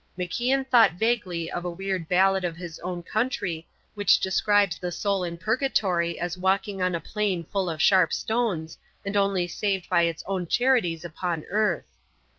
MacIan thought vaguely of a weird ballad of his own country which describes the soul in Purgatory as walking on a plain full of sharp stones, and only saved by its own charities upon earth.